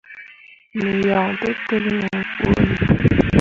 Me yan tǝtel me bõoni.